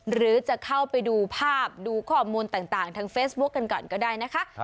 หรือจะเข้าไปดูภาพดูข้อมูลต่างทางเฟซบุ๊คกันก่อนก็ได้นะคะ